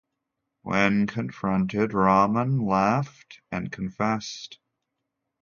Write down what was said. When confronted, Rahman laughed and confessed.